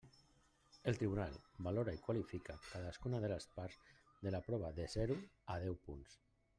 El tribunal valora i qualifica cadascuna de les parts de la prova de zero a deu punts.